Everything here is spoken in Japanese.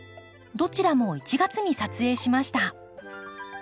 どちらも１月に撮影しました。